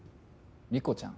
理子ちゃん？